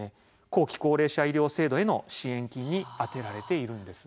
後期高齢者医療制度への支援金に充てられているんです。